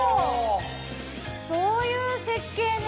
そういう絶景ね